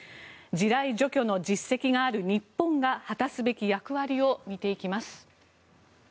地雷除去の実績がある日本が果たすべき役割を見ていきます。